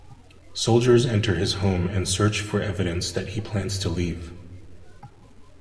Soldiers enter his home and search for evidence that he plans to leave.